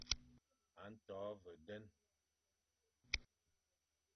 A nto ve den.